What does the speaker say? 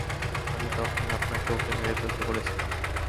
আমি তখনি আপনাকে ওকে মেরে ফেলতে বলেছিলাম।